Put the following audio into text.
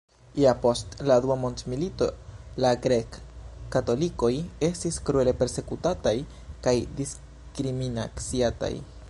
Ja post la dua mondmilito la grek-katolikoj estis kruele persekutataj kaj diskriminaciataj.